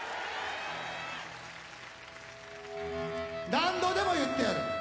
何度でも言ってやる。